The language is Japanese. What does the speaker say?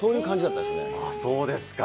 そうですか。